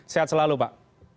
sehat selalu pak